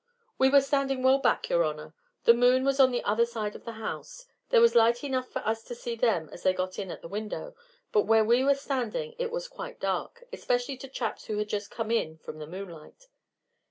"We were standing well back, your honor. The moon was on the other side of the house. There was light enough for us to see them as they got in at the window, but where we were standing it was quite dark, especially to chaps who had just come in from the moonlight.